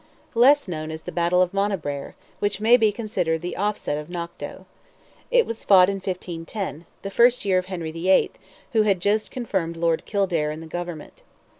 Less known is the battle of Monabraher, which may be considered the offset of Knock doe. It was fought in 1510—the first year of Henry VIII., who had just confirmed Lord Kildare in the government.